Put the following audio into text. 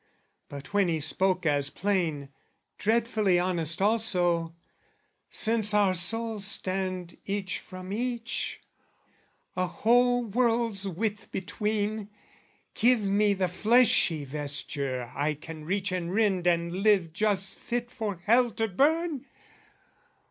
But when he spoke as plain Dreadfully honest also "Since our souls "Stand each from each, a whole world's width between, "Give me the fleshy vesture I can reach "And rend and leave just fit for hell to burn!"